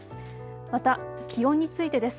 また、気温についてです。